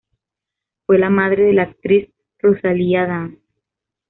Fue la madre de la actriz Rosalía Dans.